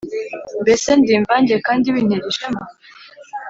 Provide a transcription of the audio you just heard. Mbese ndi imvange kandi bintera ishema.